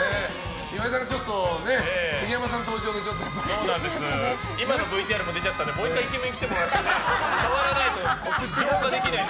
岩井さんが杉山さん登場で今のＶＴＲも出ちゃったんでもう１回イケメン来てもらって触らないと浄化できないので。